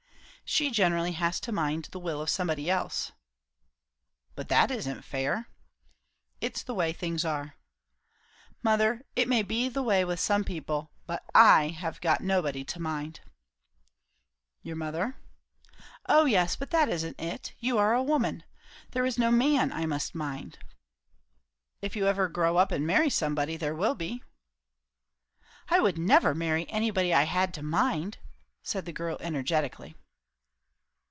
"She generally has to mind the will of somebody else." "But that isn't fair." "It is the way things are." "Mother, it may be the way with some people; but I have got nobody to mind?" "Your mother? " "O yes; but that isn't it. You are a woman. There is no man I must mind." "If you ever grow up and marry somebody, there will be." "I would never marry anybody I had to mind!" said the girl energetically.